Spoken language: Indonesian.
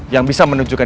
yang bisa menunjukkan